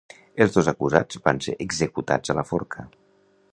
Els dos acusats van ser executats a la forca.